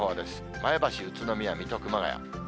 前橋、宇都宮、水戸、熊谷。